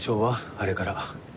あれから。